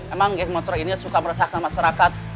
emang geng motor ini suka meresahkan masyarakat